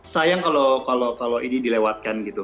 sayang kalau kalau kalau ini dilewatkan gitu